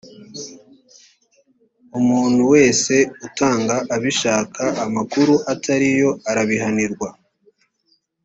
umuntu wese utanga abishaka amakuru atariyo, arabihanirwa